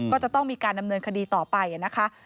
ก็จะต้องมีการดำเนินคดีต่อไปนะคะ